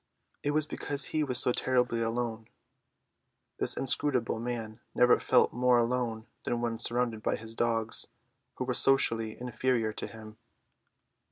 It was because he was so terribly alone. This inscrutable man never felt more alone than when surrounded by his dogs. They were socially inferior to him.